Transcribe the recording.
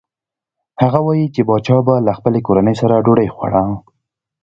هغه وايي چې پاچا به له خپلې کورنۍ سره ډوډۍ خوړه.